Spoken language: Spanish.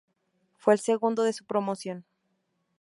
Fue el segundo de su promoción.